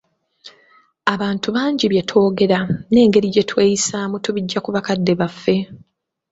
Abantu bangi bye twogera, n'engeri gye tweyisaamu tubijja ku bakadde baffe.